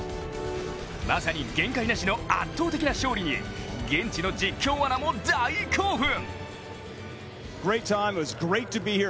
まさに限界なしの圧倒的な勝利に現地の実況アナも大興奮。